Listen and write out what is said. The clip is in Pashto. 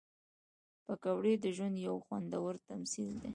پکورې د ژوند یو خوندور تمثیل دی